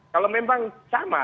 kalau memang sama